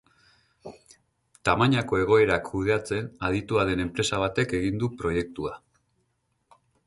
Tamainako egoerak kudeatzen aditua den enpresa batek egin du proiektua.